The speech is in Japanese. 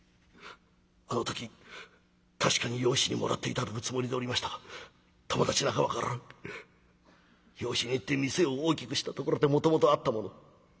あの時確かに養子にもらって頂くつもりでおりましたが友達仲間から養子に行って店を大きくしたところでもともとあったもの。